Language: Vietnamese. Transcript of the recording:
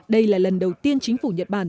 đây là lần đầu tiên chính phủ nhật bản